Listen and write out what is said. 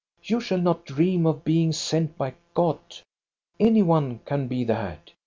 You shall not dream of being sent by God, — any one can be that.